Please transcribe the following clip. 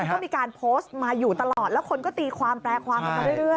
ก็มีการโพสต์มาอยู่ตลอดแล้วคนก็ตีความแปลความกันมาเรื่อย